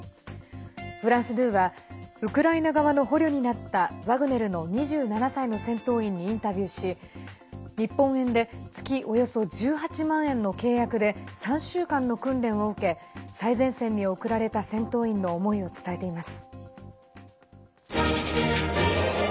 フランス２はウクライナ側の捕虜になったワグネルの２７歳の戦闘員にインタビューし日本円で月およそ１８万円の契約で３週間の訓練を受け最前線に送られた戦闘員の思いを伝えています。